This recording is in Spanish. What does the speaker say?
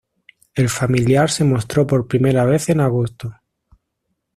El familiar se mostró por primera vez en agosto.